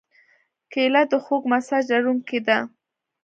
کېله د خوږ مزاج لرونکې ده.